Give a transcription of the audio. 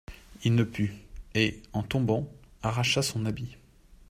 Il ne put, et, en tombant, arracha son habit.